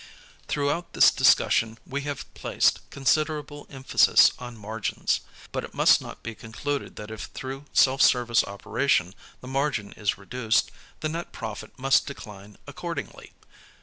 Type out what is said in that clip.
Throughout this discussion we have placed considerable emphasis on margins. But it must not be concluded that if through self service oper ation the margin is reduced, the net profit must decline accordingly.